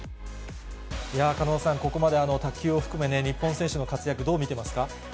狩野さん、ここまで卓球を含め、日本選手の活躍、どう見てますか？